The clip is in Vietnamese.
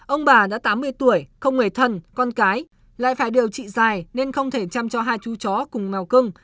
ông bà đã tám mươi tuổi không người thân con cái lại phải điều trị dài nên không thể chăm cho hai chú chó cùng mèo cưng